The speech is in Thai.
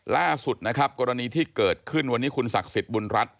ล่าสุดนะครับกรณีที่เกิดขึ้นวันนี้คุณศักดิ์สิทธิ์บุญรัฐ